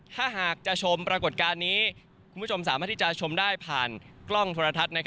ถ้าหากจะชมปรากฏการณ์นี้คุณผู้ชมสามารถที่จะชมได้ผ่านกล้องโทรทัศน์